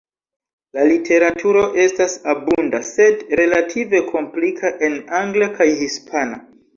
La literaturo estas abunda sed relative komplika, en angla kaj hispana.